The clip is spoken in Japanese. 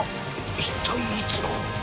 一体いつの。